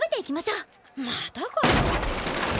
またかよ。